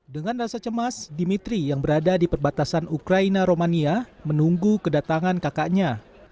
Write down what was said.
dengan rasa cemas dimitri yang berada di perbatasan ukraina romania menunggu kedatangan kakaknya